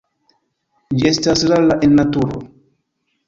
Ĝi estas rara en naturo.